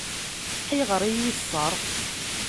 Ayɣer i yi-yeṣṣeṛ?